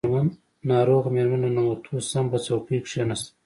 ناروغه مېرمن له ننوتو سم په څوکۍ کښېناسته.